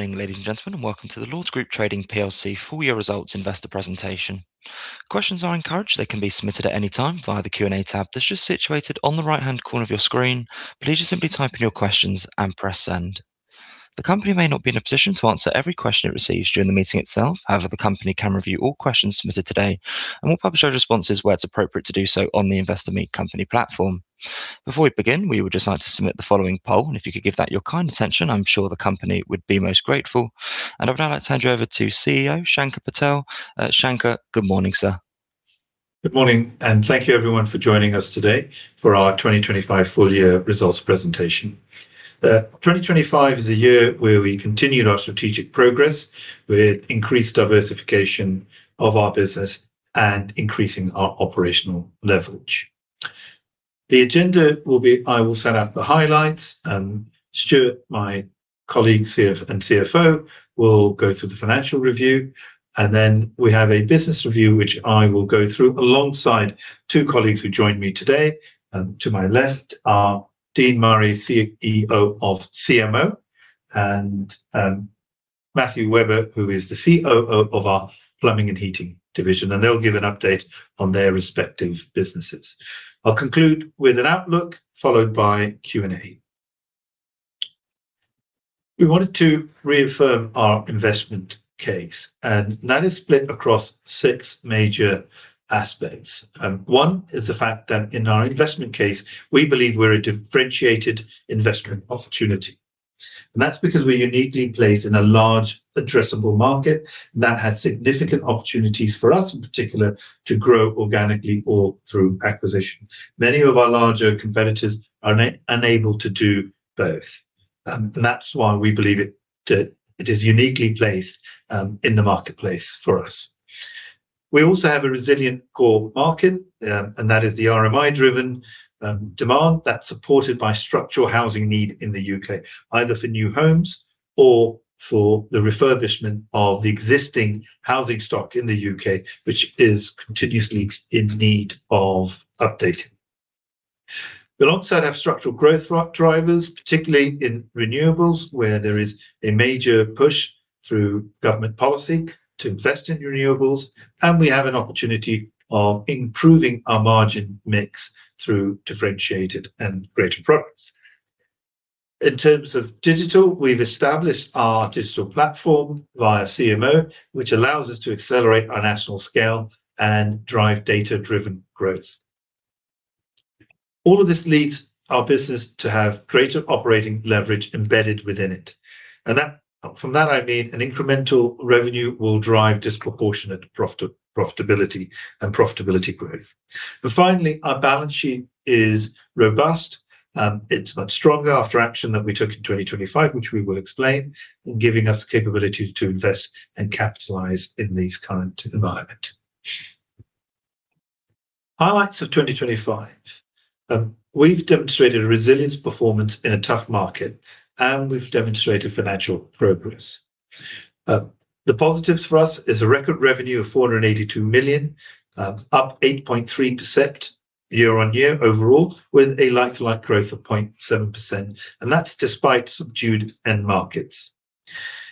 Good morning, ladies and gentlemen, and welcome to the Lords Group Trading PLC full-year results investor presentation. Questions are encouraged; they can be submitted at any time via the Q&A tab that's just situated on the right-hand corner of your screen. Please just simply type in your questions and press send. The company may not be in a position to answer every question it receives during the meeting itself; however, the company can review all questions submitted today, and we'll publish our responses where it's appropriate to do so on the Investor Meet Company platform. Before we begin, we would just like to submit the following poll, and if you could give that your kind attention, I'm sure the company would be most grateful. I would now like to hand you over to CEO Shanker Patel. Shanker, good morning, sir. Good morning. Thank you, everyone, for joining us today for our 2025 full-year results presentation. 2025 is a year where we continue our strategic progress with increased diversification of our business and increasing our operational leverage. The agenda will be: I will set out the highlights, Stuart, my colleague, CFO, will go through the financial review, and then we have a business review which I will go through alongside two colleagues who joined me today. To my left are Dean Murray, CEO of CMO, and Matthew Webber, who is the COO of our Plumbing & Heating Division, and they'll give an update on their respective businesses. I'll conclude with an outlook followed by Q&A. We wanted to reaffirm our investment case, and that is split across six major aspects. One is the fact that in our investment case, we believe we're a differentiated investment opportunity. That's because we're uniquely placed in a large, addressable market that has significant opportunities for us, in particular, to grow organically or through acquisition. Many of our larger competitors are unable to do both. That's why we believe it is uniquely placed in the marketplace for us. We also have a resilient core market. That is the RMI-driven demand that's supported by structural housing need in the U.K., either for new homes or for the refurbishment of the existing housing stock in the U.K., which is continuously in need of updating. We also have structural growth drivers, particularly in renewables, where there is a major push through government policy to invest in renewables. We have an opportunity of improving our margin mix through differentiated and greater products. In terms of digital, we've established our digital platform via CMO, which allows us to accelerate our national scale and drive data-driven growth. All of this leads our business to have greater operating leverage embedded within it, from that I mean an incremental revenue will drive disproportionate profitability and profitability growth. Finally, our balance sheet is robust, it's much stronger after action that we took in 2025, which we will explain, and giving us the capability to invest and capitalize in this current environment. Highlights of 2025. We've demonstrated resilience performance in a tough market, and we've demonstrated financial progress. The positives for us are a record revenue of 482 million, up 8.3% year-on-year overall, with a like-to-like growth of 0.7%, and that's despite subdued end markets.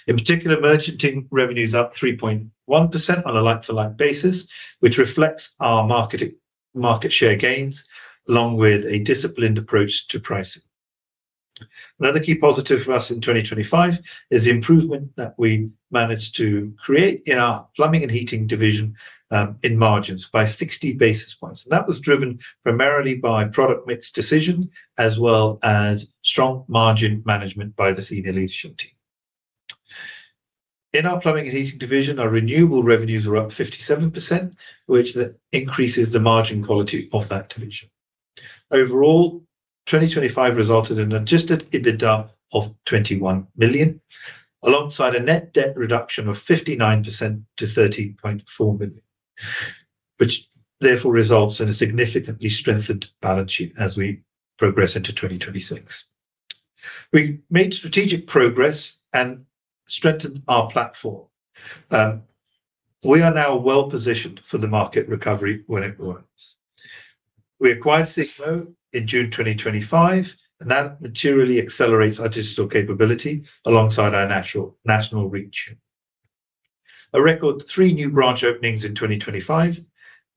In particular, merchanting revenue is up 3.1% on a like-to-like basis, which reflects our market share gains along with a disciplined approach to pricing. Another key positive for us in 2025 is the improvement that we managed to create in our Plumbing & Heating Division in margins by 60 basis points, and that was driven primarily by product mix decision as well as strong margin management by the senior leadership team. In our Plumbing & Heating Division, our renewable revenues are up 57%, which increases the margin quality of that division. Overall, 2025 resulted in an adjusted EBITDA of 21 million, alongside a net debt reduction of 59% to 30.4 million, which therefore results in a significantly strengthened balance sheet as we progress into 2026. We made strategic progress and strengthened our platform. We are now well-positioned for the market recovery when it works. We acquired CMO in June 2025, and that materially accelerates our digital capability alongside our national reach. A record three new branch openings in 2025,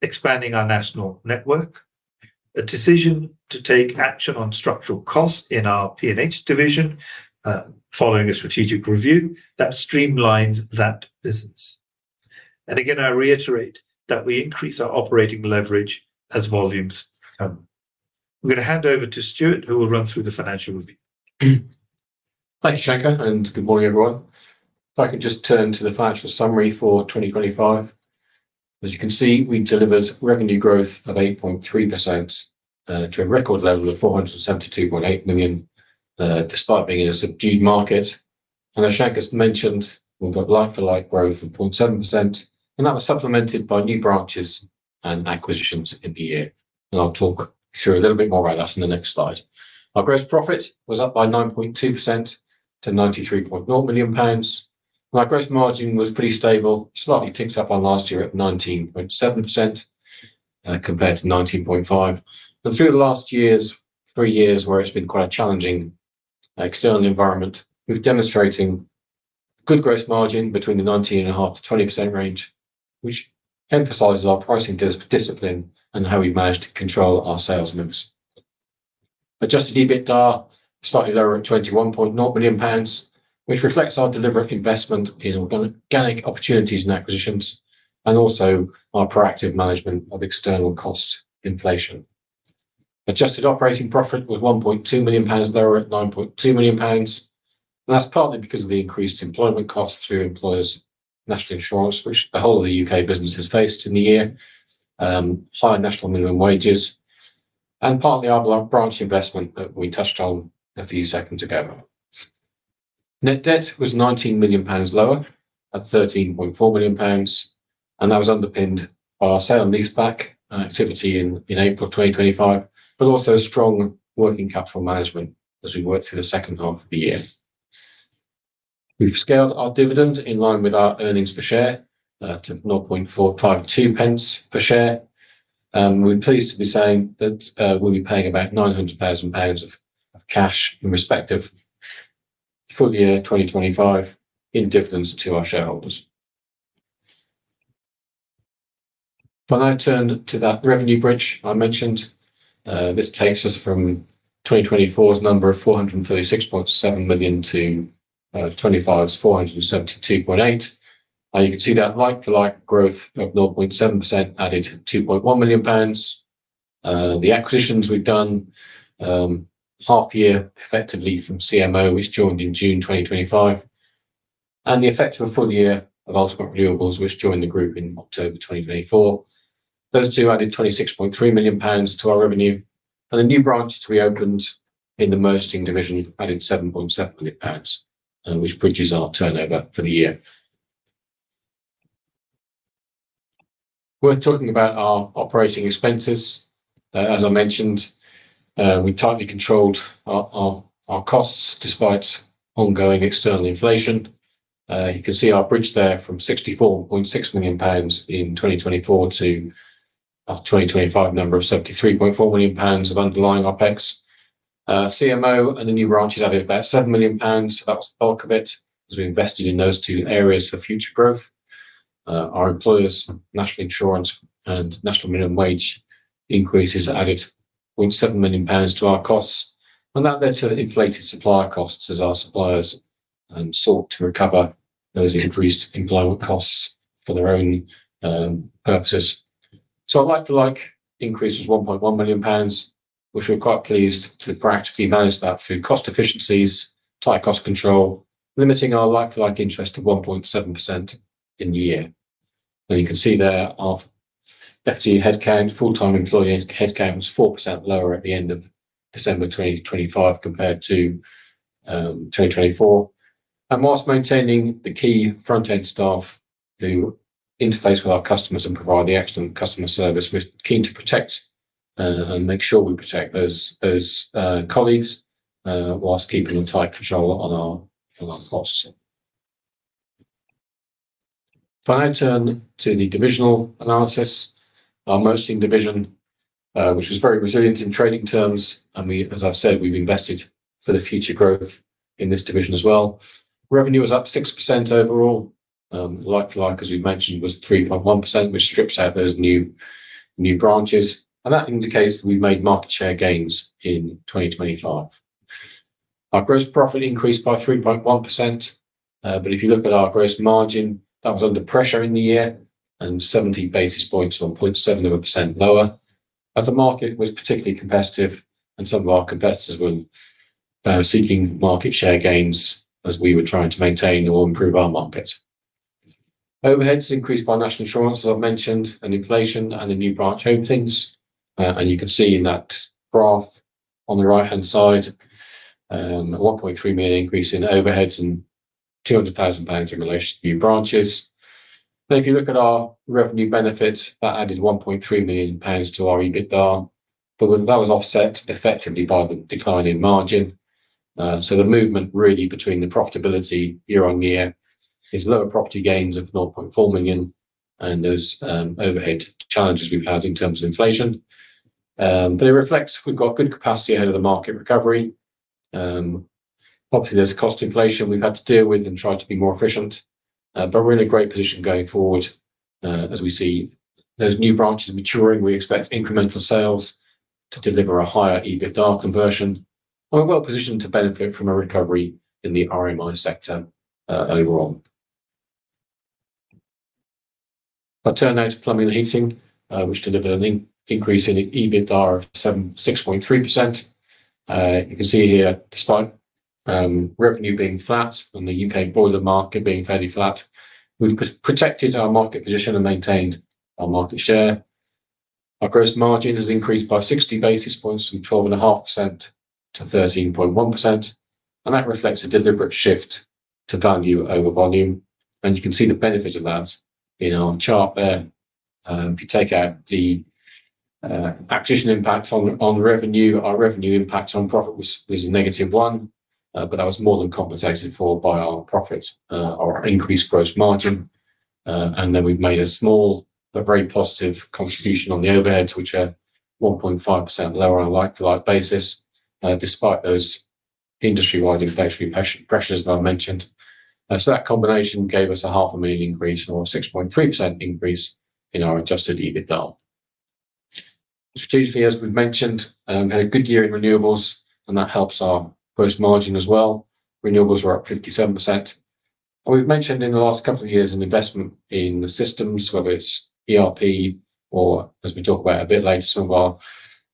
expanding our national network. A decision to take action on structural costs in our P&H division following a strategic review that streamlines that business. Again, I reiterate that we increase our operating leverage as volumes come. I'm going to hand over to Stuart, who will run through the financial review. Thank you, Shanker. Good morning, everyone. If I can just turn to the financial summary for 2025. As you can see, we delivered revenue growth of 8.3% to a record level of 472.8 million despite being in a subdued market. As Shanker mentioned, we've got like-to-like growth of 0.7%, and that was supplemented by new branches and acquisitions in the year, and I'll talk through a little bit more about that in the next slide. Our gross profit was up by 9.2% to 93.0 million pounds, and our gross margin was pretty stable, slightly ticked up on last year at 19.7% compared to 19.5%. Through the last three years where it's been quite a challenging external environment, we've been demonstrating a good gross margin between the 19.5%-20% range, which emphasizes our pricing discipline and how we managed to control our sales mix. Adjusted EBITDA slightly lower at 21.0 million pounds, which reflects our deliberate investment in organic opportunities and acquisitions and also our proactive management of external cost inflation. Adjusted operating profit was 1.2 million pounds lower at 9.2 million pounds, and that's partly because of the increased employment costs through employers' national insurance, which the whole of the U.K. business has faced in the year, higher national minimum wages, and partly our branch investment that we touched on a few seconds ago. Net debt was 19 million pounds lower at 13.4 million pounds, and that was underpinned by our sale and leaseback activity in April 2025, but also strong working capital management as we worked through the second half of the year. We've scaled our dividend in line with our earnings per share to 0.452 per share. We're pleased to be saying that we'll be paying about 900,000 pounds of cash in respective full year 2025 in dividends to our shareholders. If I now turn to that revenue bridge I mentioned, this takes us from 2024's number of 436.7 million to 2025's 472.8 million. You can see that like-to-like growth of 0.7% added 2.1 million pounds. The acquisitions we've done, half-year effectively from CMO, which joined in June 2025, and the effective full year of Ultimate Renewables, which joined the group in October 2024, those two added 26.3 million pounds to our revenue. The new branches we opened in the Merchanting division added 7.7 million pounds, which bridges our turnover for the year. Worth talking about our operating expenses. As I mentioned, we tightly controlled our costs despite ongoing external inflation. You can see our bridge there from 64.6 million pounds in 2024 to our 2025 number of 73.4 million pounds of underlying OpEx. CMO and the new branches added about 7 million pounds. That was the bulk of it as we invested in those two areas for future growth. Our employers' national insurance and national minimum wage increases added 0.7 million pounds to our costs, that led to inflated supplier costs as our suppliers sought to recover those increased employment costs for their own purposes. Our like-to-like increase was 1.1 million pounds, which we're quite pleased to practically manage that through cost efficiencies, tight cost control, limiting our like-to-like interest to 1.7% in the year. You can see there our FTE headcount, full-time employee headcount, was 4% lower at the end of December 2025 compared to 2024. Whilst maintaining the key front-end staff who interface with our customers and provide the excellent customer service, we're keen to protect and make sure we protect those colleagues whilst keeping a tight control on our costs. If I now turn to the divisional analysis, our Merchanting division, which was very resilient in trading terms, and as I've said, we've invested for the future growth in this division as well. Revenue was up 6% overall. Like-to-like, as we've mentioned, was 3.1%, which strips out those new branches. That indicates that we've made market share gains in 2025. Our gross profit increased by 3.1%, but if you look at our gross margin, that was under pressure in the year and 70 basis points, 1.7% lower, as the market was particularly competitive and some of our competitors were seeking market share gains as we were trying to maintain or improve our market. Overheads increased by national insurance, as I've mentioned, and inflation and the new branch openings. You can see in that graph on the right-hand side a 1.3 million increase in overheads and EUR 200,000 in relation to new branches. If you look at our revenue benefits, that added EUR 1.3 million to our EBITDA, but that was offset effectively by the decline in margin. The movement really between the profitability year-on-year is lower property gains of 0.4 million and those overhead challenges we've had in terms of inflation. It reflects we've got good capacity ahead of the market recovery. Obviously, there's cost inflation we've had to deal with and try to be more efficient, but we're in a great position going forward as we see those new branches maturing. We expect incremental sales to deliver a higher EBITDA conversion. We're well-positioned to benefit from a recovery in the RMI sector overall. If I turn now to Plumbing & Heating, which delivered an increase in EBITDA of 6.3%. You can see here, despite revenue being flat and the U.K. boiler market being fairly flat, we've protected our market position and maintained our market share. Our gross margin has increased by 60 basis points from 12.5% to 13.1%, and that reflects a deliberate shift to value over volume. You can see the benefit of that in our chart there. If you take out the acquisition impact on revenue, our revenue impact on profit was -1, but that was more than compensated for by our profit, our increased gross margin. Then we've made a small but very positive contribution on the overheads, which are 1.5% lower on a like-to-like basis despite those industry-wide inflationary pressures that I mentioned. That combination gave us a half-a-million increase or a 6.3% increase in our adjusted EBITDA. Strategically, as we've mentioned, we had a good year in renewables, and that helps our gross margin as well. Renewables were up 57%. We've mentioned in the last couple of years an investment in the systems, whether it's ERP or, as we talk about a bit later, some of our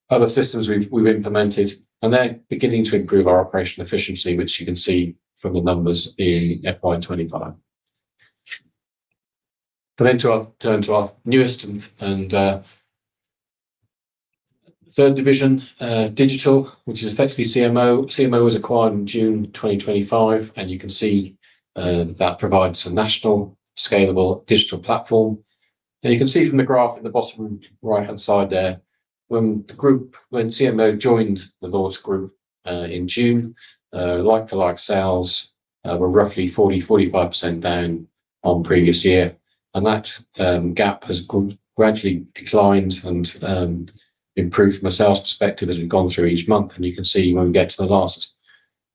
other systems we've implemented, and they're beginning to improve our operational efficiency, which you can see from the numbers in FY 2025. I then turn to our newest and third division, digital, which is effectively CMO. CMO was acquired in June 2025, you can see that provides a national scalable digital platform. You can see from the graph in the bottom right-hand side there, when CMO joined the Lords Group in June, like-to-like sales were roughly 40%, 45% down on previous year. That gap has gradually declined and improved from a sales perspective as we've gone through each month. You can see when we get to the last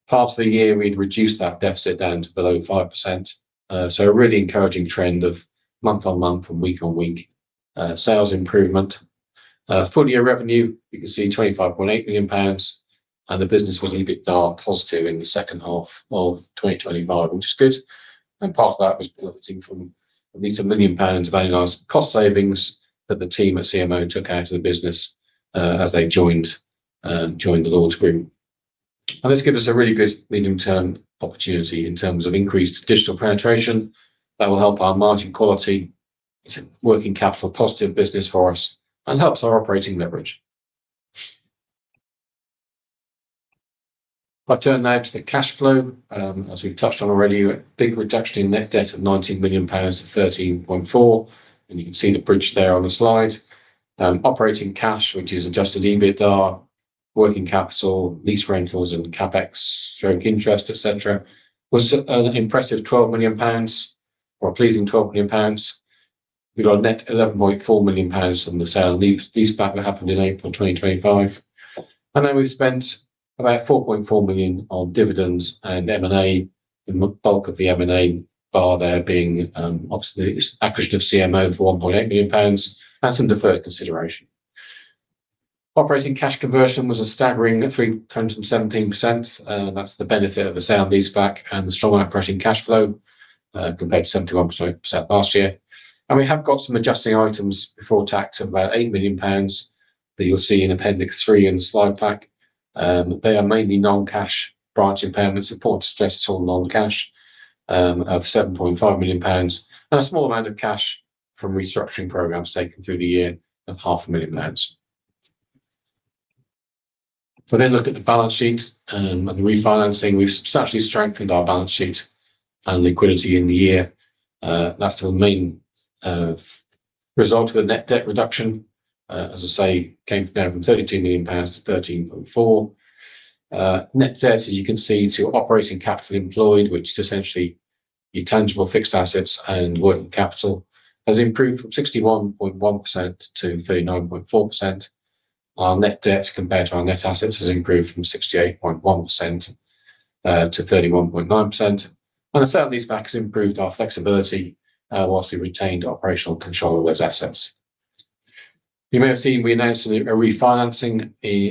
part of the year, we'd reduce that deficit down to below 5%. A really encouraging trend of month on month and week on week sales improvement. Full year revenue, you can see 25.8 million pounds, the business was EBITDA positive in the second half of 2025, which is good. Part of that was benefiting from at least 1 million pounds of annualized cost savings that the team at CMO took out of the business as they joined the Lords Group. This gives us a really good medium-term opportunity in terms of increased digital penetration. That will help our margin quality. It's a working capital positive business for us and helps our operating leverage. If I turn now to the cash flow, as we've touched on already, a big reduction in net debt of 19 million pounds to 13.4 million. You can see the bridge there on the slide. Operating cash, which is adjusted EBITDA, working capital, lease rentals, and CapEx stroke interest, etc., was an impressive 12 million pounds or a pleasing 12 million pounds. We got a net 11.4 million pounds from the sale. Lease back happened in April 2025. We've spent about 4.4 million on dividends and M&A. The bulk of the M&A bar there being obviously acquisition of CMO for 1.8 million pounds and some deferred consideration. Operating cash conversion was a staggering 317%. That's the benefit of the sale and lease back and the strong operating cash flow compared to 71% last year. We have got some adjusting items before tax of about 8 million pounds that you'll see in Appendix 3 in the slide pack. They are mainly non-cash branch impairments. The port stress is all non-cash of 7.5 million pounds and a small amount of cash from restructuring programs taken through the year of half a million pounds. If I look at the balance sheet and the refinancing, we've substantially strengthened our balance sheet and liquidity in the year. That's the main result of the net debt reduction. As I say, it came down from 32 million pounds to 13.4 million. Net debt, as you can see, to operating capital employed, which is essentially your tangible fixed assets and working capital, has improved from 61.1% to 39.4%. Our net debt compared to our net assets has improved from 68.1% to 31.9%. The sale and lease back has improved our flexibility whilst we retained operational control of those assets. You may have seen we announced a refinancing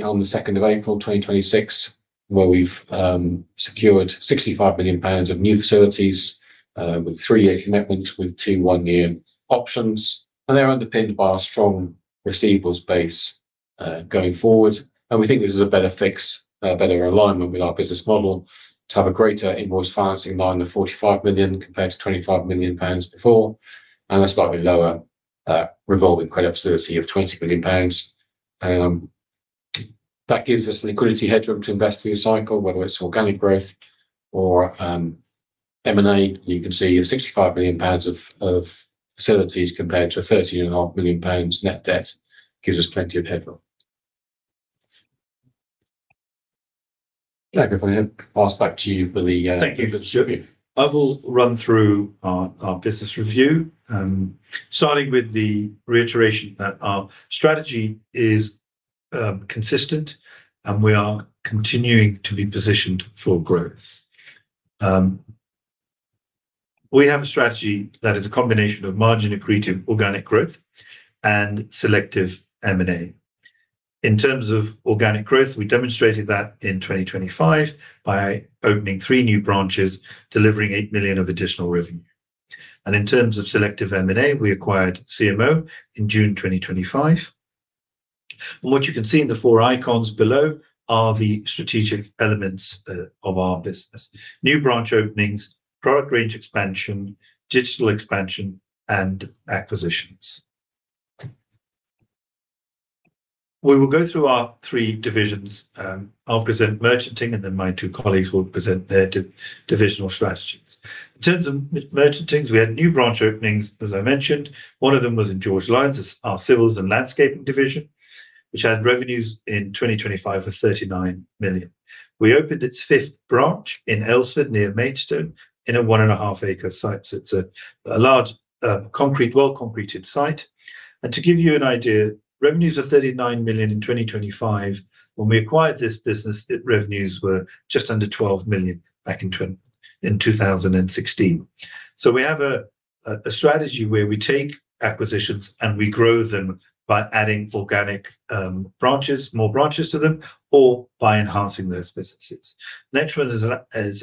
on the 2nd of April 2026 where we've secured 65 million pounds of new facilities with three-year commitments with two one-year options. They're underpinned by a strong receivables base going forward. We think this is a better fix, a better alignment with our business model to have a greater invoice financing line of 45 million compared to 25 million pounds before. A slightly lower revolving credit facility of 20 million pounds. That gives us liquidity headroom to invest through the cycle, whether it's organic growth or M&A. You can see 65 million pounds of facilities compared to a 30.5 million pounds net debt gives us plenty of headroom. Thank you, Patel. Pass back to you for the review. Thank you. I will run through our business review, starting with the reiteration that our strategy is consistent and we are continuing to be positioned for growth. We have a strategy that is a combination of margin accretive organic growth and selective M&A. In terms of organic growth, we demonstrated that in 2025 by opening three new branches, delivering 8 million of additional revenue. In terms of selective M&A, we acquired CMO in June 2025. What you can see in the four icons below are the strategic elements of our business, new branch openings, product range expansion, digital expansion, and acquisitions. We will go through our three divisions. I'll present merging and then my two colleagues will present their divisional strategies. In terms of merging, we had new branch openings, as I mentioned. One of them was in George Lines, our civils and landscaping division, which had revenues in 2025 of 39 million. We opened its fifth branch in Aylesford near Maidstone in a 1.5-acre site. It's a large well-concreted site. To give you an idea, revenues of 39 million in 2025, when we acquired this business, revenues were just under 12 million back in 2016. We have a strategy where we take acquisitions and we grow them by adding organic branches, more branches to them, or by enhancing those businesses. The next one is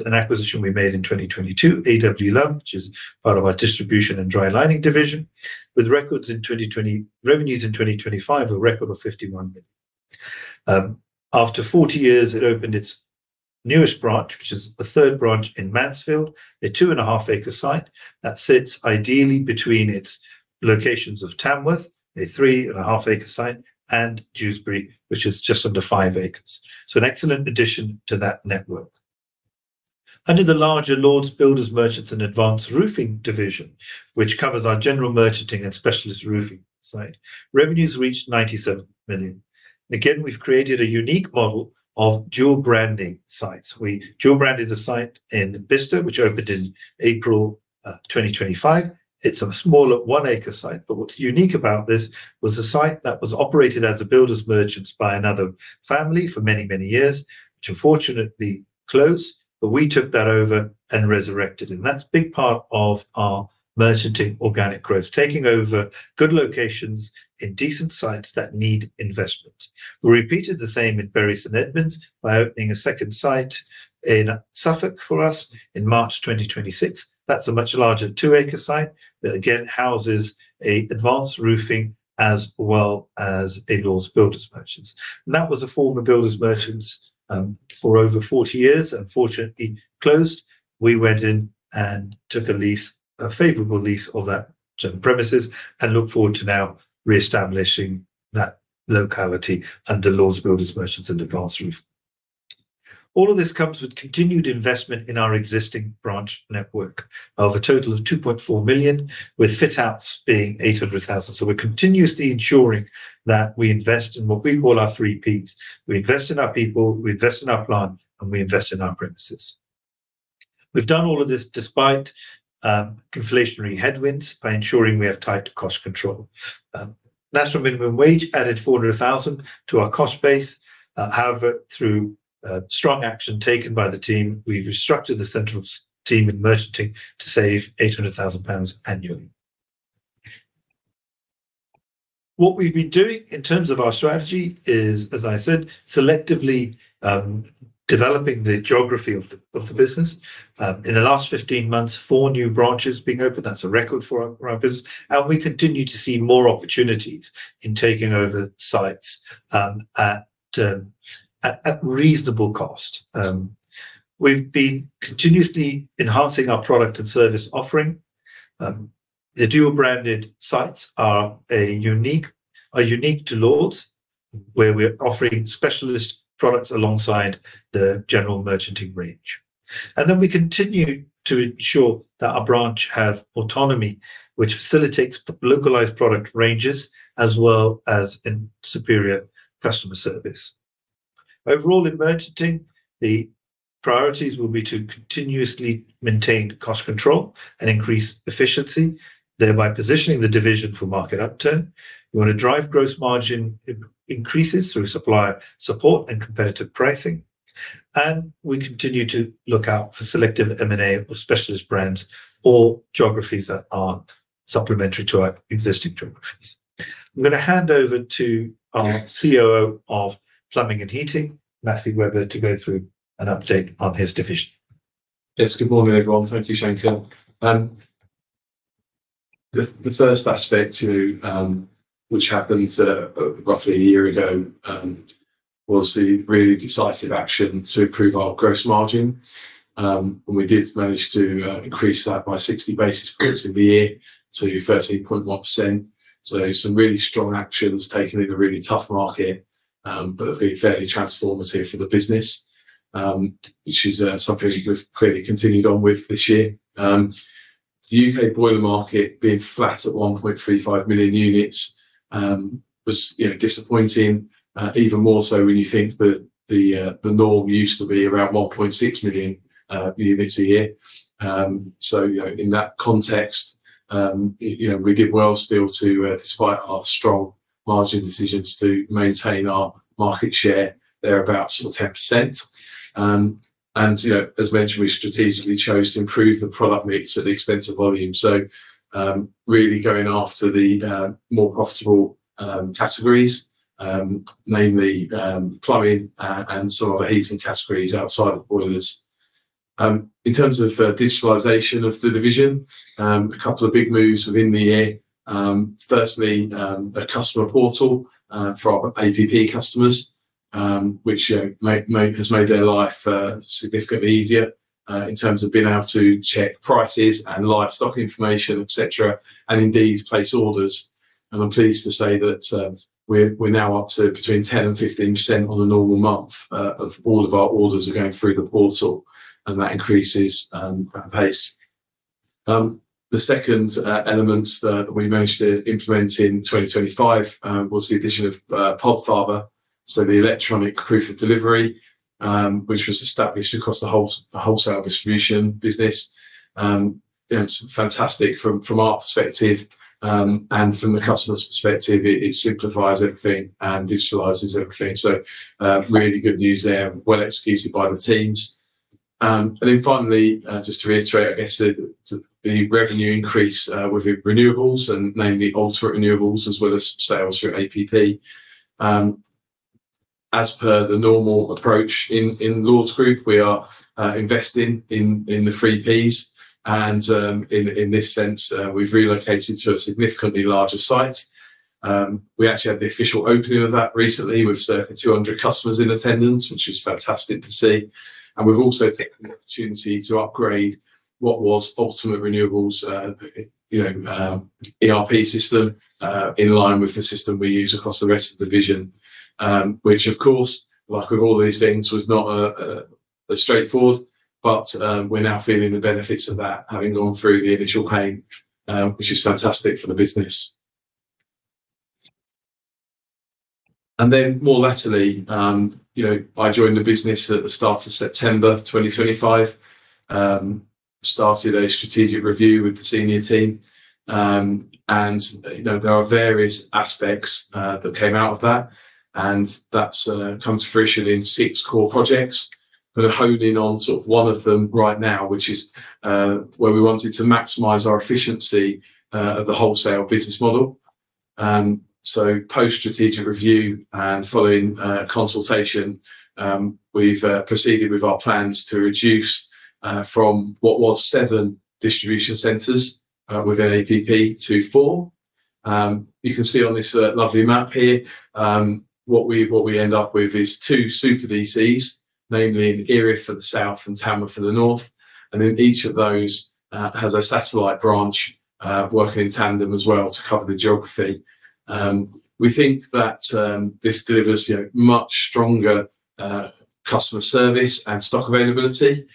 an acquisition we made in 2022, A.W. Lumb, which is part of our distribution and dry lining division, with revenues in 2025 of a record of 51 million. After 40 years, it opened its newest branch, which is a third branch in Mansfield, a two-and-a-half-acre site that sits ideally between its locations of Tamworth, a three-and-a-half-acre site, and Dewsbury, which is just under five acres. An excellent addition to that network. Under the larger Lords Builders Merchants and Advance Roofing division, which covers our general merchanting and specialist roofing site, revenues reached 97 million. Again, we've created a unique model of dual branding sites. We dual branded a site in Bicester, which opened in April 2025. It's a smaller one-acre site, but what's unique about this was a site that was operated as a builders' merchant by another family for many, many years, which unfortunately closed, but we took that over and resurrected it. That's a big part of our merchanting organic growth, taking over good locations in decent sites that need investment. We repeated the same in Bury St Edmunds by opening a second site in Suffolk for us in March 2026. That's a much larger two-acre site that, again, houses Advance Roofing as well as a Lords Builders Merchant. That was a former builders' merchant for over 40 years and unfortunately closed. We went in and took a lease, a favorable lease of that premises, and look forward to now re-establishing that locality under Lords Builders Merchants and Advance Roofing. All of this comes with continued investment in our existing branch network of a total of 2.4 million, with fit-outs being 800,000. We're continuously ensuring that we invest in what we call our 3 P's: we invest in our people, we invest in our plan, and we invest in our premises. We've done all of this despite inflationary headwinds by ensuring we have tight cost control. National minimum wage added 400,000 to our cost base. However, through strong action taken by the team, we've restructured the central team in Merchanting to save 800,000 pounds annually. What we've been doing in terms of our strategy is, as I said, selectively developing the geography of the business. In the last 15 months, four new branches have been opened. That's a record for our business. We continue to see more opportunities in taking over sites at reasonable cost. We've been continuously enhancing our product and service offering. The dual-branded sites are unique to Lords, where we're offering specialist products alongside the general merchanting range. We continue to ensure that our branch has autonomy, which facilitates localized product ranges as well as superior customer service. Overall, in merchanting, the priorities will be to continuously maintain cost control and increase efficiency, thereby positioning the division for market upturn. We want to drive gross margin increases through supply support and competitive pricing. We continue to look out for selective M&A of specialist brands or geographies that aren't supplementary to our existing geographies. I'm going to hand over to our COO of Plumbing & Heating, Matthew Webber, to go through an update on his division. Yes, good morning, everyone. Thank you, Shanker. The first aspect which happened roughly a year ago was the really decisive action to improve our gross margin. We did manage to increase that by 60 basis points in the year to 13.1%. Some really strong actions taken in a really tough market, but it'll be fairly transformative for the business, which is something we've clearly continued on with this year. The U.K. boiler market being flat at 1.35 million units was disappointing, even more so when you think that the norm used to be around 1.6 million units a year. In that context, we did well still to, despite our strong margin decisions to maintain our market share there about sort of 10%. As mentioned, we strategically chose to improve the product mix at the expense of volume. Really going after the more profitable categories, namely plumbing and some other heating categories outside of boilers. In terms of digitalization of the division, a couple big moves within the year. Firstly, a customer portal for our APP customers, which has made their life significantly easier in terms of being able to check prices and live stock information, etc., and indeed place orders. I'm pleased to say that we're now up to between 10%-15% on a normal month of all of our orders going through the portal, and that increases that pace. The second element that we managed to implement in 2025 was the addition of Podfather, so the electronic proof of delivery, which was established across the whole wholesale distribution business. It's fantastic from our perspective. From the customer's perspective, it simplifies everything and digitalizes everything. Really good news there, well executed by the teams. Finally, just to reiterate, I guess, the revenue increase within renewables, and namely Ultimate Renewables as well as sales through APP. As per the normal approach in Lords Group, we are investing in the 3 P's. In this sense, we've relocated to a significantly larger site. We actually had the official opening of that recently with circa 200 customers in attendance, which is fantastic to see. We've also taken the opportunity to upgrade what was Ultimate Renewables' ERP system in line with the system we use across the rest of the division, which, of course, like with all these things, was not straightforward. We're now feeling the benefits of that having gone through the initial pain, which is fantastic for the business. Then more laterally, I joined the business at the start of September 2025, started a strategic review with the senior team. There are various aspects that came out of that. That's come to fruition in six core projects. I'm going to hone in on sort of one of them right now, which is where we wanted to maximize our efficiency of the wholesale business model. Post-strategic review and following consultation, we've proceeded with our plans to reduce from what was seven distribution centers within APP to four. You can see on this lovely map here, what we end up with is two super DCs, namely in Erith for the south and Tamworth for the north. Then each of those has a satellite branch working in tandem as well to cover the geography. We think that this delivers much stronger customer service and stock availability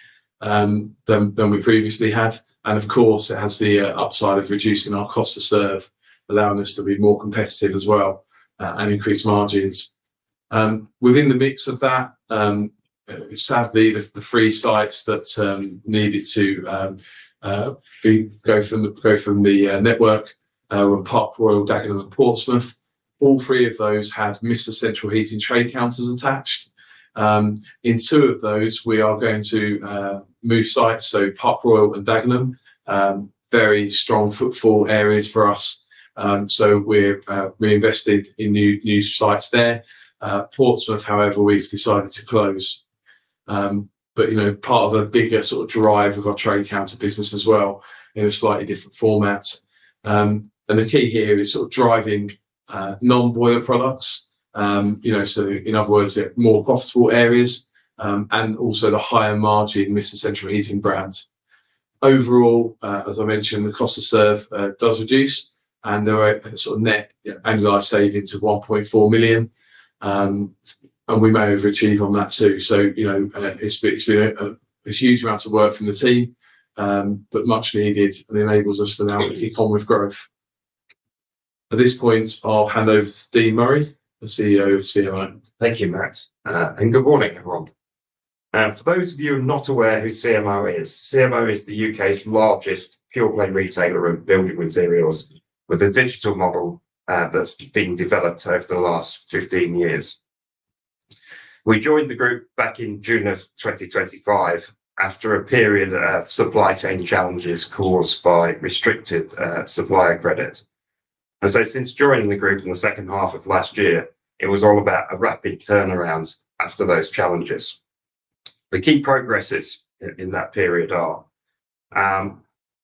than we previously had. Of course, it has the upside of reducing our cost to serve, allowing us to be more competitive as well and increase margins. Within the mix of that, sadly, the three sites that needed to go from the network were Park Royal, Dagenham, and Portsmouth. All three of those had Mr. Central Heating trade counters attached. In two of those, we are going to move sites, so Park Royal and Dagenham, very strong footfall areas for us. We're reinvesting in new sites there. Portsmouth, however, we've decided to close. Part of a bigger sort of drive of our trade counter business as well in a slightly different format. The key here is sort of driving non-boiler products. In other words, more profitable areas and also the higher margin Mr. Central Heating brand. Overall, as I mentioned, the cost to serve does reduce. There are sort of net annualized savings of 1.4 million. We may overachieve on that too. It's been a huge amount of work from the team, but much needed and enables us to now keep on with growth. This point, I'll hand over to Dean Murray, the CEO of CMO. Thank you, Matt. Good morning, everyone. For those of you not aware who CMO is, CMO is the U.K.'s largest online-only retailer of building materials with a digital model that's been developed over the last 15 years. We joined the group back in June of 2025 after a period of supply chain challenges caused by restricted supplier credit. Since joining the group in the second half of last year, it was all about a rapid turnaround after those challenges. The key progresses in that period are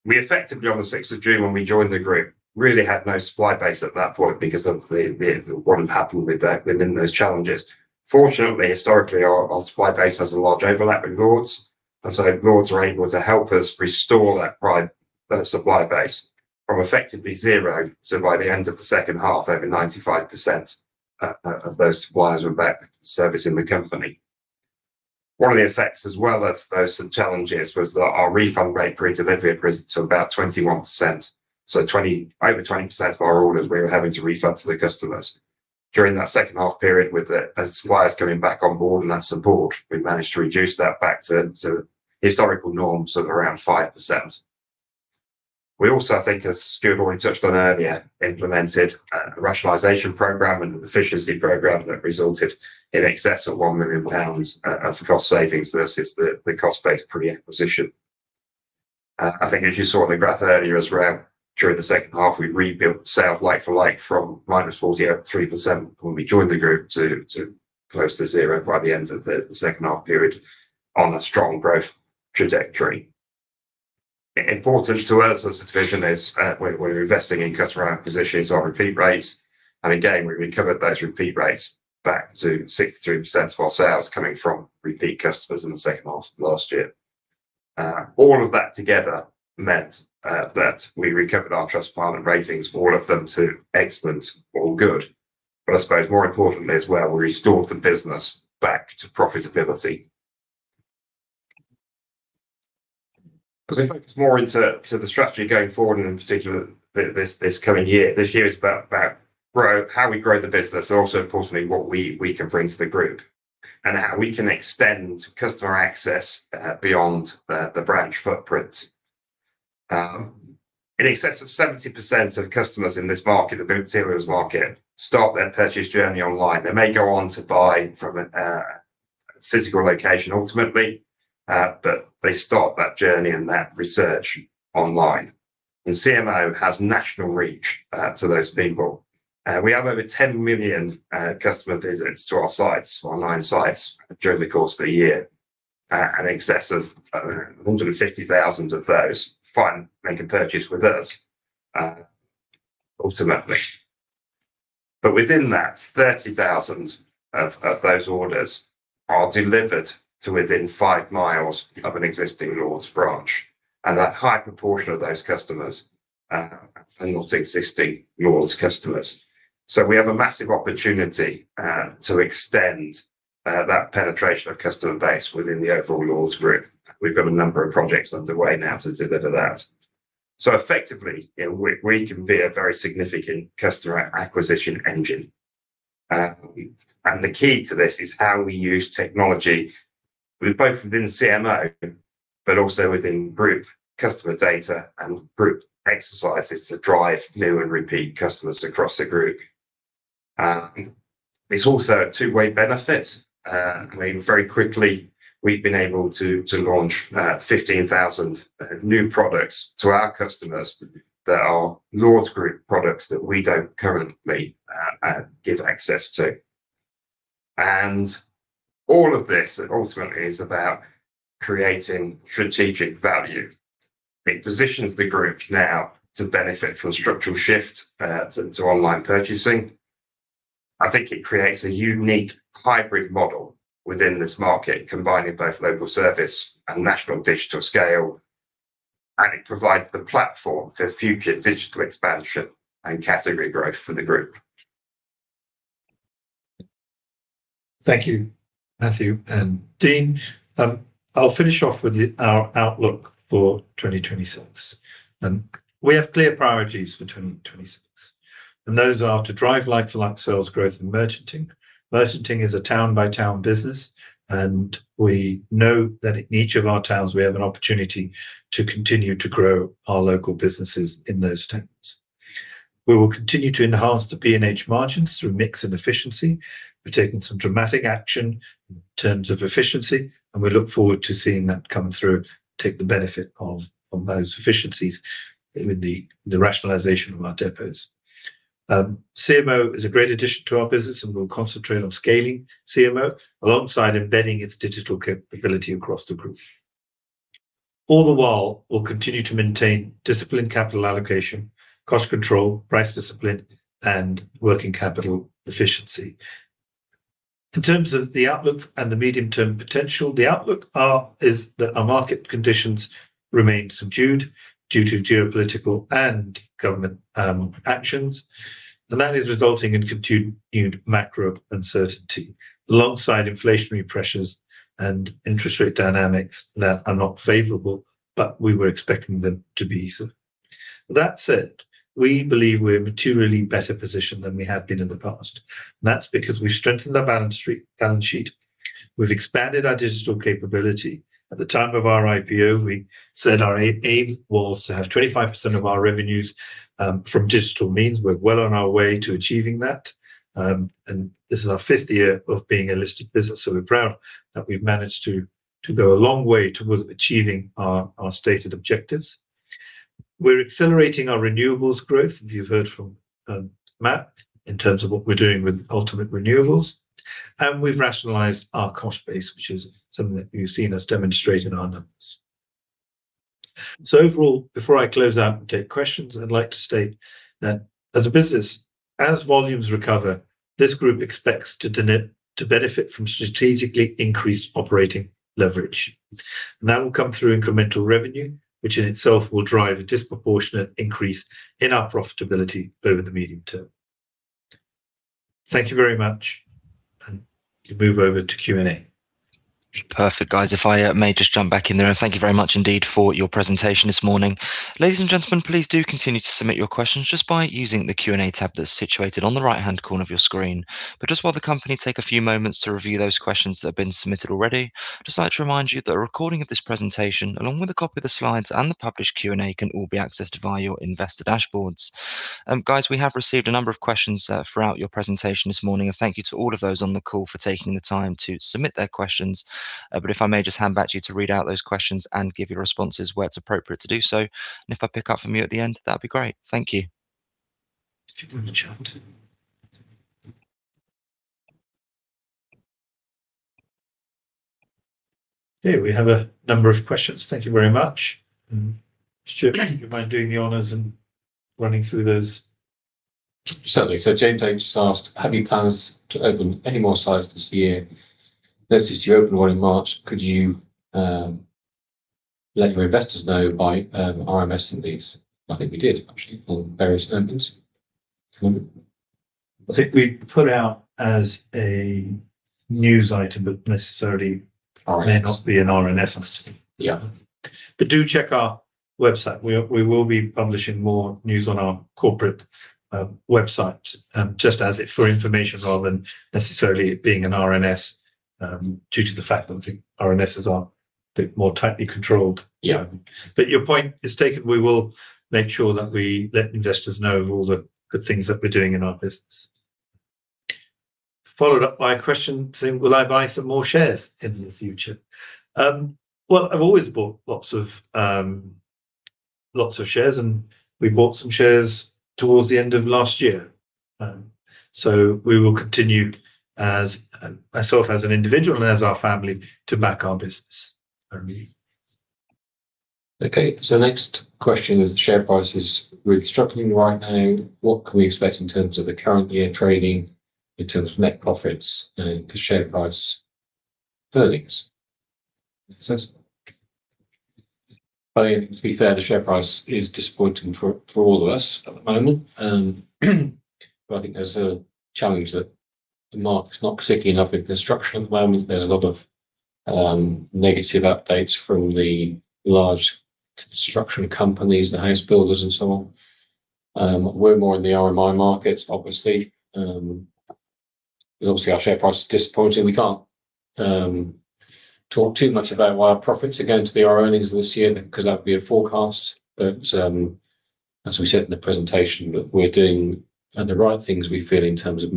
we effectively, on the 6th of June, when we joined the group, really had no supply base at that point because of what had happened within those challenges. Fortunately, historically, our supply base has a large overlap with Lords. Lords are able to help us restore that supply base from effectively zero to by the end of the second half, over 95% of those suppliers were back servicing the company. One of the effects as well of those challenges was that our refund rate pre-delivery was to about 21%. Over 20% of our orders, we were having to refund to the customers. During that second half period, with suppliers coming back on board and that support, we managed to reduce that back to historical norms of around 5%. We also, I think, as Stuart already touched on earlier, implemented a rationalization program and an efficiency program that resulted in excess of 1 million pounds of cost savings versus the cost base pre-acquisition. I think as you saw on the graph earlier as well, during the second half, we rebuilt sales like for like from minus 40.3% when we joined the group to close to zero by the end of the second half period on a strong growth trajectory. Again, we recovered those repeat rates back to 63% of our sales coming from repeat customers in the second half of last year. All of that together meant that we recovered our Trustpilot ratings, all of them to excellent or good. I suppose more importantly as well, we restored the business back to profitability. As we focus more into the strategy going forward and in particular this coming year, this year is about how we grow the business and also, importantly, what we can bring to the group and how we can extend customer access beyond the branch footprint. In excess of 70% of customers in this market, the building materials market, start their purchase journey online. They may go on to buy from a physical location ultimately, but they start that journey and that research online. CMO has national reach to those people. We have over 10 million customer visits to our sites, our nine sites, during the course of a year. In excess of 150,000 of those finally make a purchase with us ultimately. Within that, 30,000 of those orders are delivered to within 5 mi of an existing Lords branch. That high proportion of those customers are not existing Lords customers. We have a massive opportunity to extend that penetration of customer base within the overall Lords Group. We've got a number of projects underway now to deliver that. Effectively, we can be a very significant customer acquisition engine. The key to this is how we use technology, both within CMO, but also within group customer data and group exercises to drive new and repeat customers across the group. It's also a two-way benefit. I mean, very quickly, we've been able to launch 15,000 new products to our customers that are Lords Group products that we don't currently give access to. All of this ultimately is about creating strategic value. It positions the group now to benefit from structural shift to online purchasing. I think it creates a unique hybrid model within this market, combining both local service and national digital scale. It provides the platform for future digital expansion and category growth for the group. Thank you, Matthew and Dean. I will finish off with our outlook for 2026. We have clear priorities for 2026. Those are to drive like-for-like sales growth in merchanting. Merchanting is a town-by-town business. We know that in each of our towns, we have an opportunity to continue to grow our local businesses in those towns. We will continue to enhance the P&H margins through mix and efficiency. We are taking some dramatic action in terms of efficiency. We look forward to seeing that come through, take the benefit of those efficiencies with the rationalization of our depots. CMO is a great addition to our business, and we'll concentrate on scaling CMO alongside embedding its digital capability across the group. All the while, we'll continue to maintain discipline, capital allocation, cost control, price discipline, and working capital efficiency. In terms of the outlook and the medium-term potential, the outlook is that our market conditions remain subdued due to geopolitical and government actions. That is resulting in continued macro uncertainty alongside inflationary pressures and interest rate dynamics that are not favorable, but we were expecting them to be so. That said, we believe we're materially better positioned than we have been in the past. That's because we've strengthened our balance sheet. We've expanded our digital capability. At the time of our IPO, we said our aim was to have 25% of our revenues from digital means. We're well on our way to achieving that. This is our fifth year of being a listed business. We're proud that we've managed to go a long way towards achieving our stated objectives. We're accelerating our renewables growth, if you've heard from Matt, in terms of what we're doing with Ultimate Renewables. We've rationalized our cost base, which is something that you've seen us demonstrate in our numbers. Overall, before I close out and take questions, I'd like to state that as a business, as volumes recover, this group expects to benefit from strategically increased operating leverage. That will come through incremental revenue, which in itself will drive a disproportionate increase in our profitability over the medium term. Thank you very much. You can move over to Q&A. Perfect, guys. If I may just jump back in there. Thank you very much indeed for your presentation this morning. Ladies and gentlemen, please do continue to submit your questions just by using the Q&A tab that's situated on the right-hand corner of your screen. Just while the company take a few moments to review those questions that have been submitted already, I'd just like to remind you that a recording of this presentation, along with a copy of the slides and the published Q&A, can all be accessed via your investor dashboards. Guys, we have received a number of questions throughout your presentation this morning. Thank you to all of those on the call for taking the time to submit their questions. If I may just hand back to you to read out those questions and give your responses where it's appropriate to do so. If I pick up from you at the end, that'd be great. Thank you. Okay, we have a number of questions. Thank you very much. Stuart, do you mind doing the honors and running through those? Certainly. James H just asked, have you plans to open any more sites this year? Noticed you opened one in March. Could you let your investors know by RNSing these? I think we did, actually, on various merchants. I think we put out as a news item, but necessarily may not be an RNS item. Do check our website. We will be publishing more news on our corporate website just as it for information, rather than necessarily it being an RNS due to the fact that I think RNSs are a bit more tightly controlled. Your point is taken. We will make sure that we let investors know of all the good things that we're doing in our business. Followed up by a question saying, will I buy some more shares in the future? I've always bought lots of shares. We bought some shares towards the end of last year. We will continue myself as an individual and as our family to back our business. Okay. Next question is, the share price is really struggling right now. What can we expect in terms of the current year trading, in terms of net profits and share price earnings? I think, to be fair, the share price is disappointing for all of us at the moment. I think there's a challenge that the market's not particularly enough with construction at the moment. There's a lot of negative updates from the large construction companies, the house builders, and so on. We're more in the RMI markets, obviously. Obviously, our share price is disappointing. We can't talk too much about why our profits are going to be our earnings this year because that would be a forecast. As we said in the presentation, we're doing the right things, we feel, in terms of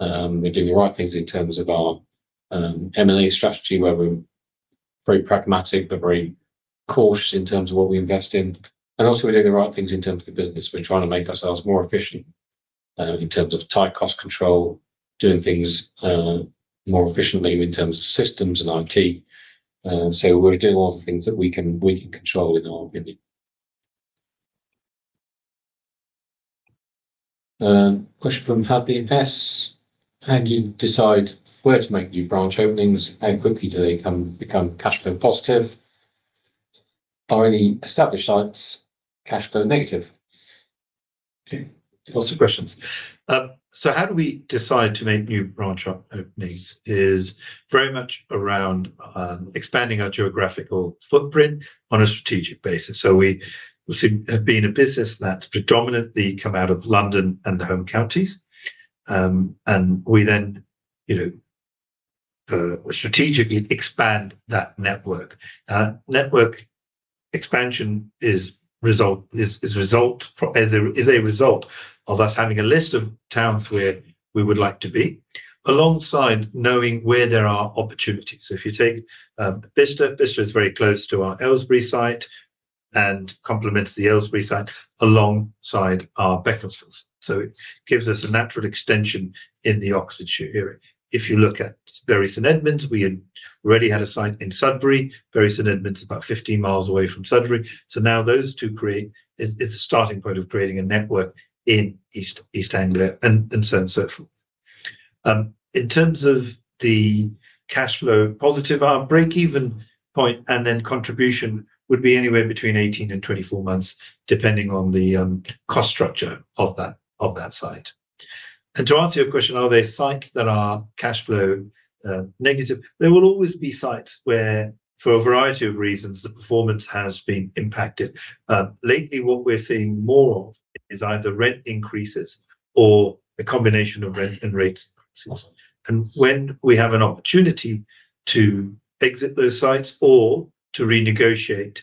new branches. We're doing the right things in terms of our M&A strategy, where we're very pragmatic but very cautious in terms of what we invest in. Also, we're doing the right things in terms of the business. We're trying to make ourselves more efficient in terms of tight cost control, doing things more efficiently in terms of systems and IT. We're doing all the things that we can control in our opinion. Question from Hadley S. How do you decide where to make new branch openings? How quickly do they become cash flow positive? Are any established sites cash flow negative? Lots of questions. How do we decide to make new branch openings is very much around expanding our geographical footprint on a strategic basis. We have been a business that predominantly come out of London and the home counties. We then strategically expand that network. Network expansion is a result of us having a list of towns where we would like to be, alongside knowing where there are opportunities. If you take Bicester is very close to our Aylesbury site and complements the Aylesbury site alongside our Beaconsfield. It gives us a natural extension in the Oxfordshire area. If you look at Bury St Edmunds, we already had a site in Sudbury. Bury St Edmunds is about 15 miles away from Sudbury. Now those two create it's a starting point of creating a network in East Anglia and so on and so forth. In terms of the cash flow positive, our break-even point and then contribution would be anywhere between 18 and 24 months, depending on the cost structure of that site. To answer your question, are there sites that are cash flow negative? There will always be sites where, for a variety of reasons, the performance has been impacted. Lately, what we are seeing more of is either rent increases or a combination of rent and rate increases. When we have an opportunity to exit those sites or to renegotiate,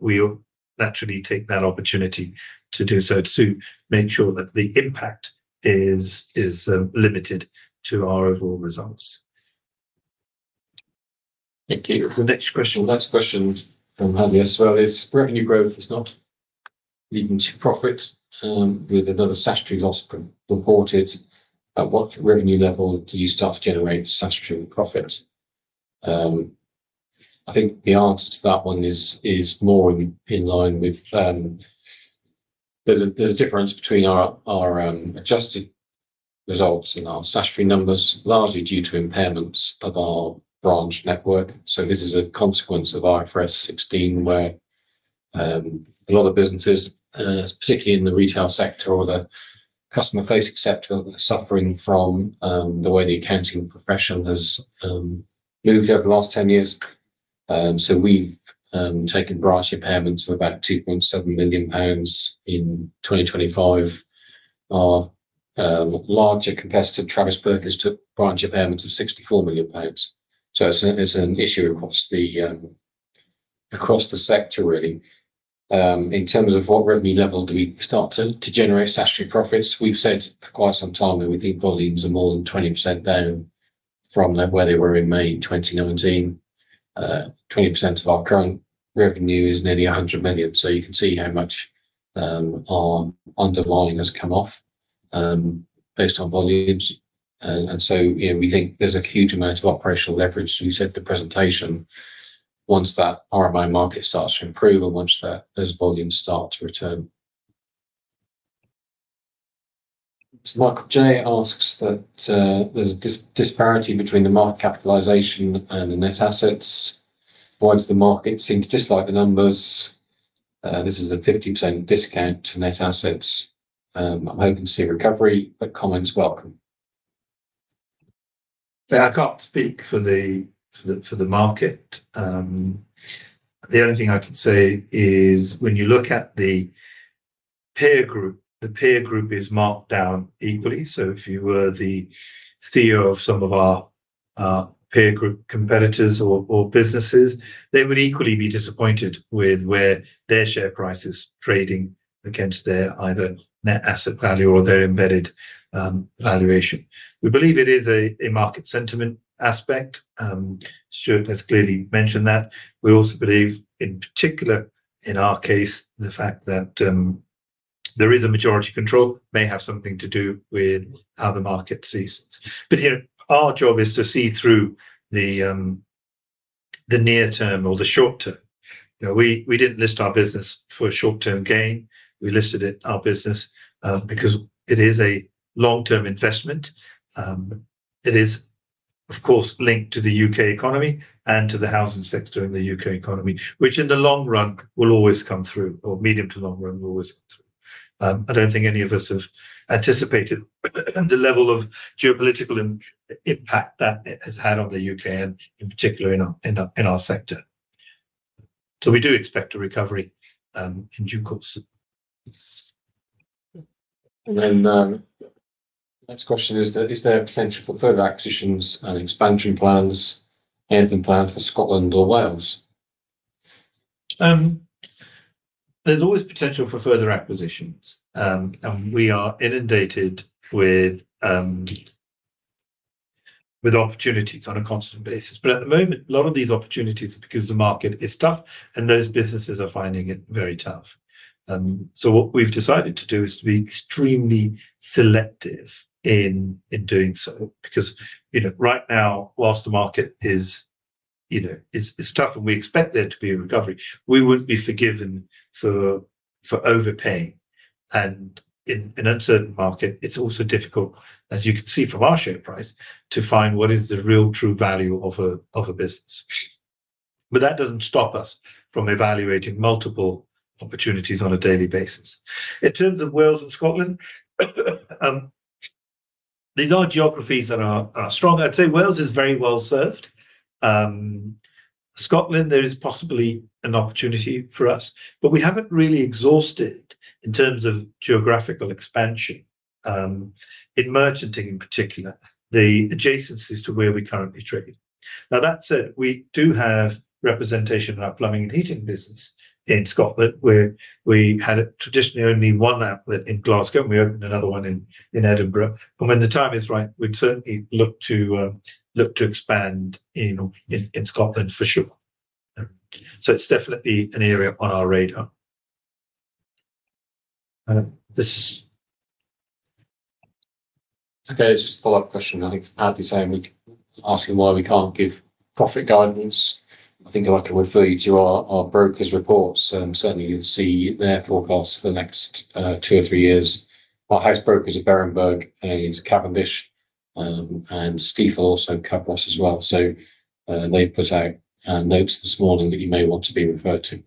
we naturally take that opportunity to do so to make sure that the impact is limited to our overall results. Thank you. The next question. The next question from Hadley S. as well is, revenue growth is not leading to profit with another statutory loss reported. At what revenue level do you start to generate statutory profits? I think the answer to that one is more in line with there's a difference between our adjusted results and our statutory numbers, largely due to impairments of our branch network. This is a consequence of IFRS 16, where a lot of businesses, particularly in the retail sector or the customer-face sector, are suffering from the way the accounting profession has moved over the last 10 years. We've taken branch impairments of about 2.7 million pounds in 2025. Our larger competitor, Travis Perkins, took branch impairments of 64 million pounds. It's an issue across the sector, really. In terms of what revenue level do we start to generate statutory profits? We've said for quite some time that we think volumes are more than 20% down from where they were in May 2019. 20% of our current revenue is nearly 100 million. You can see how much our underlying has come off based on volumes. We think there's a huge amount of operational leverage, as we said in the presentation, once that RMI market starts to improve and once those volumes start to return. Michael J asks that there's a disparity between the market capitalization and the net assets. Why does the market seem to dislike the numbers? This is a 50% discount to net assets. I'm hoping to see recovery, but comments welcome. I can't speak for the market. The only thing I can say is when you look at the peer group, the peer group is marked down equally. If you were the CEO of some of our peer group competitors or businesses, they would equally be disappointed with where their share price is trading against their either net asset value or their embedded valuation. We believe it is a market sentiment aspect. Stuart has clearly mentioned that. We also believe, in particular in our case, the fact that there is a majority control may have something to do with how the market sees it. Our job is to see through the near-term or the short-term. We didn't list our business for short-term gain. We listed our business because it is a long-term investment. It is, of course, linked to the U.K. economy and to the housing sector and the U.K. economy, which in the long run will always come through, or medium to long run will always come through. I don't think any of us have anticipated the level of geopolitical impact that it has had on the U.K., and in particular in our sector. We do expect a recovery in due course. The next question is there potential for further acquisitions and expansion plans, anything planned for Scotland or Wales? There's always potential for further acquisitions. We are inundated with opportunities on a constant basis. At the moment, a lot of these opportunities are because the market is tough, and those businesses are finding it very tough. What we've decided to do is to be extremely selective in doing so. Because right now, whilst the market is tough and we expect there to be a recovery, we wouldn't be forgiven for overpaying. In an uncertain market, it's also difficult, as you can see from our share price, to find what is the real true value of a business. That doesn't stop us from evaluating multiple opportunities on a daily basis. In terms of Wales and Scotland, these are geographies that are strong. I'd say Wales is very well served. Scotland, there is possibly an opportunity for us, but we haven't really exhausted in terms of geographical expansion, in Merchanting in particular, the adjacencies to where we currently trade. Now, that said, we do have representation in our Plumbing & Heating business in Scotland. We had traditionally only one outlet in Glasgow, and we opened another one in Edinburgh. When the time is right, we'd certainly look to expand in Scotland, for sure. It's definitely an area on our radar. Okay. It's just a follow-up question. I think Hadley's saying we can ask him why we can't give profit guidance. I think if I can refer you to our broker's reports, certainly you'll see their forecasts for the next two or three years. Our house brokers are Berenberg, Cavendish, and Stifel will also cover us as well. They've put out notes this morning that you may want to be referred to.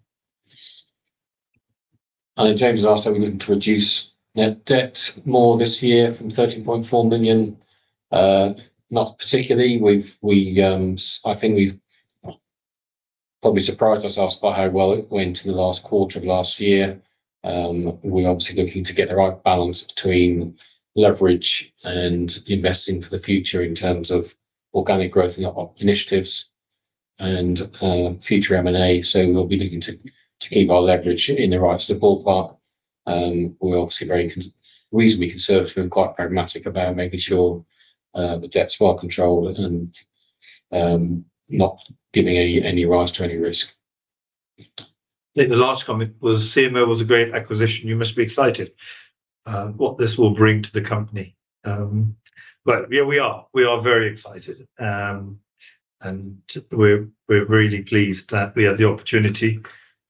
James has asked, are we looking to reduce net debt more this year from 13.4 million? Not particularly. I think we've probably surprised ourselves by how well it went in the last quarter of last year. We're obviously looking to get the right balance between leverage and investing for the future in terms of organic growth initiatives and future M&A. We'll be looking to keep our leverage in the right sort of ballpark. We're obviously very reasonably conservative and quite pragmatic about making sure the debt's well controlled and not giving any rise to any risk. I think the last comment was, CMO was a great acquisition. You must be excited what this will bring to the company. Yeah, we are. We are very excited. We're really pleased that we had the opportunity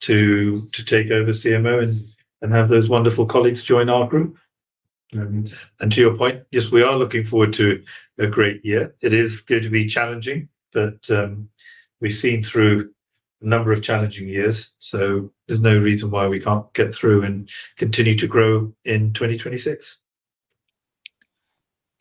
to take over CMO and have those wonderful colleagues join our group. To your point, yes, we are looking forward to a great year. It is going to be challenging, but we've seen through a number of challenging years. There's no reason why we can't get through and continue to grow in 2026.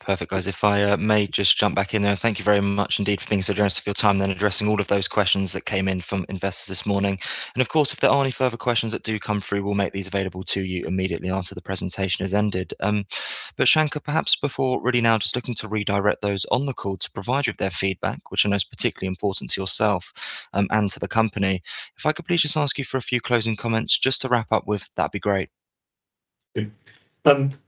Perfect, guys. If I may just jump back in there. Thank you very much indeed for being so generous with your time and then addressing all of those questions that came in from investors this morning. Of course, if there are any further questions that do come through, we'll make these available to you immediately after the presentation has ended. Shanker, perhaps before really now just looking to redirect those on the call to provide you with their feedback, which I know is particularly important to yourself and to the company. If I could please just ask you for a few closing comments just to wrap up with, that'd be great. Thank you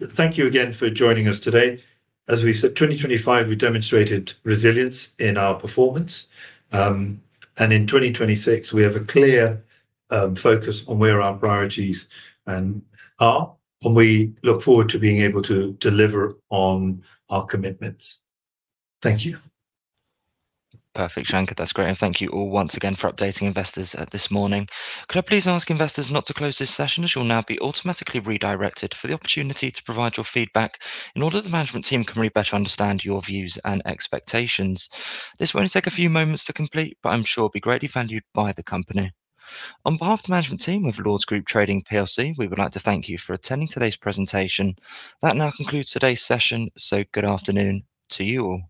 again for joining us today. As we said, 2025, we demonstrated resilience in our performance. In 2026, we have a clear focus on where our priorities are, and we look forward to being able to deliver on our commitments. Thank you. Perfect, Shanker. That's great. Thank you all once again for updating investors this morning. Could I please ask investors not to close this session as you'll now be automatically redirected for the opportunity to provide your feedback in order the management team can really better understand your views and expectations? This will only take a few moments to complete, but I'm sure it'll be greatly valued by the company. On behalf of the management team of Lords Group Trading PLC, we would like to thank you for attending today's presentation. That now concludes today's session. Good afternoon to you all.